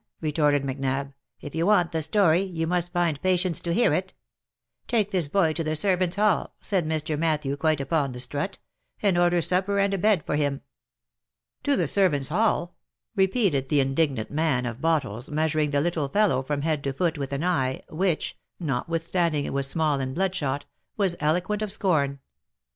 retorted Macnab, " if you want the story, you must just find patience to hear it. 'Take this boy to the servants' hall,' said Sir Matthew, quite upon the strut, ' and order supper and a bed for him.' " "To the servants' hall?" repeated the indignant man of bottles, measuring the little fellow from head to foot with an eye, which, notwithstanding it was small and bloodshot, was eloquent of scorn.